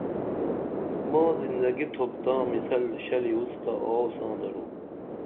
ماں زندگی تُھوپ تاں مِثل شلی اُڅ تہ آوو ساں درو